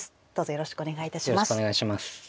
よろしくお願いします。